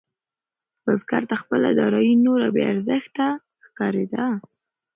بزګر ته خپله دارايي نوره بې ارزښته ښکارېده.